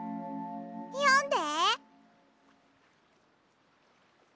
よんで。